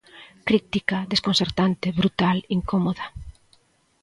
Críptica, desconcertante, brutal, incómoda.